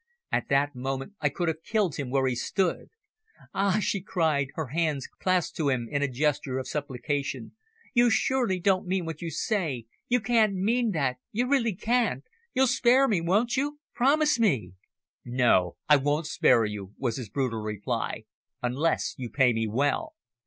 At that moment I could have killed him where he stood. "Ah!" she cried, her hands clasped to him in a gesture of supplication, "you surely don't mean what you say, you can't mean that, you really can't! You'll spare me, won't you? Promise me!" "No, I won't spare you," was his brutal reply, "unless you pay me well."